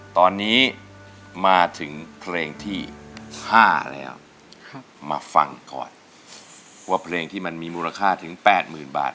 ตอนนี้มาถึงเพลงที่๕แล้วมาฟังก่อนว่าเพลงที่มันมีมูลค่าถึง๘๐๐๐บาท